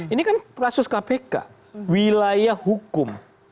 ini kan kasus kpk wilayah hukum